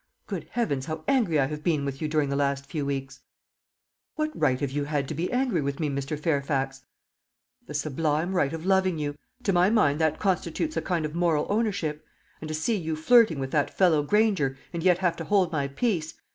Good heavens, how angry I have been with you during the last few weeks!" "What right had you to be angry with me, Mr. Fairfax?" "The sublime right of loving you. To my mind that constitutes a kind of moral ownership. And to see you flirting with that fellow Granger, and yet have to hold my peace!